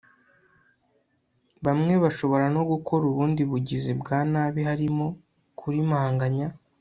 bamwe bashobora no gukora ubundi bugizi bwa nabi harimo kurimanganya